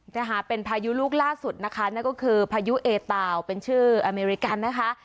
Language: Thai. นะคะเป็นพายุลูกล่าสุดนะคะนั่นก็คือพายุเอตาวเป็นชื่ออเมริกันนะคะ